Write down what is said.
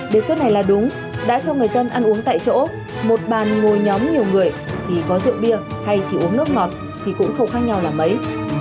đề xuất này là đúng đã cho người dân ăn uống tại chỗ một bàn ngồi nhóm nhiều người thì có rượu bia hay chỉ uống nước ngọt thì cũng không khác nhau là mấy